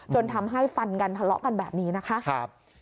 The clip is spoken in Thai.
จนทำให้ฟันกันทะเลาะกันแบบนี้นะคะ